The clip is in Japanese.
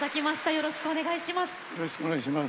よろしくお願いします。